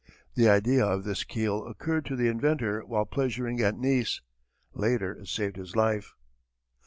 The idea of this keel occurred to the inventor while pleasuring at Nice. Later it saved his life.